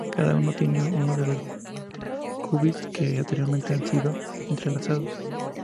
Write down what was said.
Cada uno tiene uno de los qubits, que anteriormente han sido entrelazados.